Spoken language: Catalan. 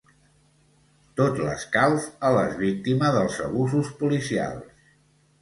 Tot l'escalf a les víctimes dels abusos policials!